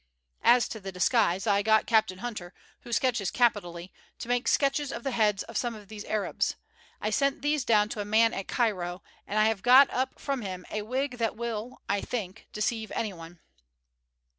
As to the disguise, I got Captain Hunter, who sketches capitally, to make sketches of the heads of some of these Arabs. I sent these down to a man at Cairo, and I have got up from him a wig that will, I think, deceive anyone."